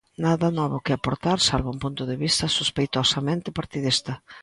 Nada novo que aportar salvo un punto de vista sospeitosamente partidista.